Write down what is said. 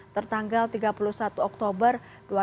tertanggal tiga puluh satu oktober dua ribu dua puluh